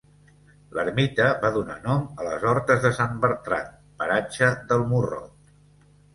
L'ermita va donar nom a les Hortes de Sant Bertran, paratge del Morrot.